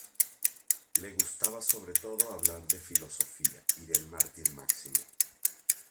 Le gustaba sobre todo hablar de filosofía y del mártir Máximo.